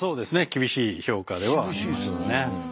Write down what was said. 厳しい評価ではありましたね。